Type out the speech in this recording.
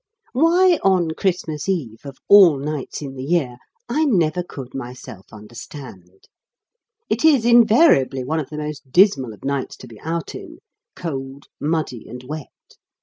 Why on Christmas Eve, of all nights in the year, I never could myself understand. It is invariably one of the most dismal of nights to be out in cold, muddy, and wet.